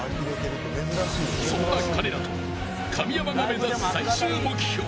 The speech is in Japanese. そんな彼らと神山が目指す最終目標。